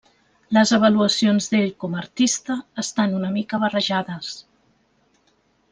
Les avaluacions d'ell com a artista estan una mica barrejades.